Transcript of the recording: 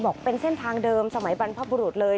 บอกเป็นเส้นทางเดิมสมัยบรรพบุรุษเลย